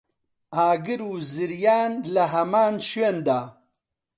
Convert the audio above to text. ئاگر و زریان لە هەمان شوێندا